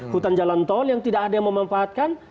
hutan jalan tol yang tidak ada yang memanfaatkan